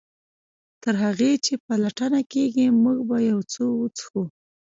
تر هغه چې پلټنه کیږي موږ به یو څه وڅښو